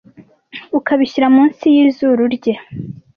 ukabishyira munsi yizuru rye